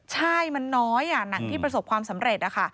ใช่มันน้อยหนังที่ประสบความสำเร็จนะคะ